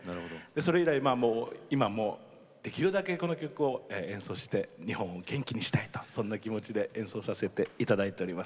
それ以来、今もできるだけこの曲を演奏して日本を元気にしたいとそんな気持ちで演奏させていただいております。